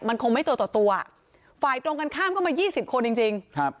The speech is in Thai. มันคงไม่ตัวต่อตัวฝ่ายตรงกันข้ามก็มายี่สิบคนจริงจริงครับ